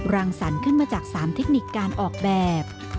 รังสรรค์ขึ้นมาจาก๓เทคนิคการออกแบบ